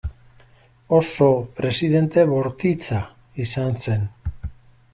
Oso presidente bortitza izan zen.